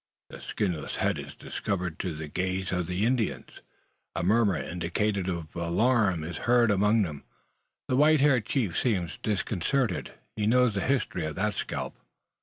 The skinless head is discovered to the gaze of the Indians. A murmur, indicative of alarm, is heard among them. The white haired chief seems disconcerted. He knows the history of that scalp!